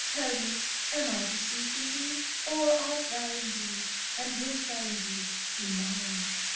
Tell me, am I deceived in thee? Or art thou indeed, and wilt thou indeed be mine?"